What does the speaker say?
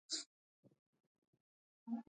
چشت شریف مرمر ولې مشهور دي؟